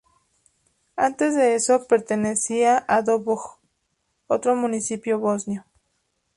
Antes de eso, pertenecía a Doboj, otro municipio bosnio.